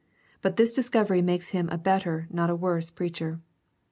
But this discovery makes him a better not a worse preacher.